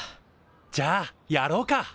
じゃあやろうか。